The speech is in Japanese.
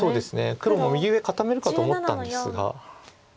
黒も右上固めるかと思ったんですが。